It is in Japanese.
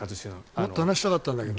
もっと話したかったんですけど。